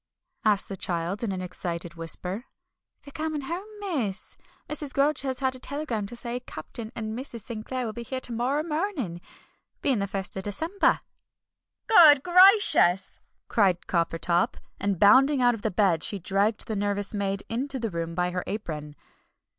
asked the child in an excited whisper. "They're coming home, miss. Mrs. Grudge has had a telegram to say Captain and Mrs. Sinclair will be here to morrer mornin', being the first of December!" "GOOD GRACIOUS!" cried Coppertop. And bounding out of bed she dragged the nervous maid into the room by her apron.